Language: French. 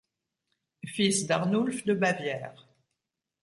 Fils d'Arnulf de Bavière.